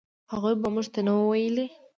هغوی به موږ ته نه ویلې.